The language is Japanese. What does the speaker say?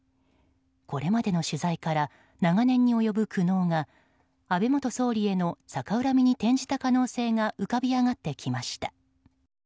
これまで取材から長年に及ぶ苦悩が安倍元総理への逆恨みに転じた可能性が浮かび上がってきました。